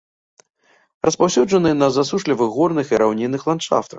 Распаўсюджаны на засушлівых горных і раўнінных ландшафтах.